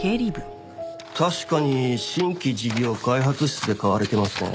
確かに新規事業開発室で買われてますね。